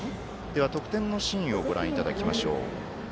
得点のシーンをご覧いただきましょう。